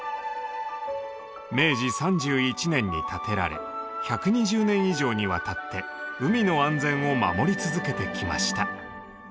明治３１年に建てられ１２０年以上にわたって海の安全を守り続けてきました。